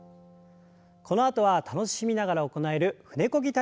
このあとは楽しみながら行える舟こぎ体操です。